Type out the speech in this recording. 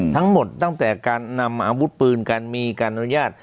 ตั้งแต่การนำอาวุธปืนการมีการอนุญาต